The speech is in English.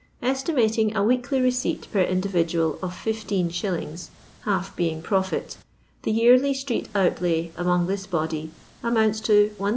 Estimating a weekly receipt, per indiyidnal, of Iffi. (half being profit), the yearly street outky among this body amounts to •.